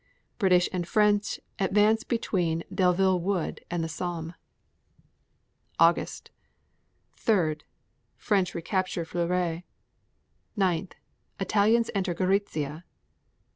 British and French advance between Delville Wood and the Somme. August 3. French recapture Fleury. 9. Italians enter Goritzia.